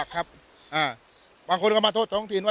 บางคนก็มาโทษท้องถิ่นว่า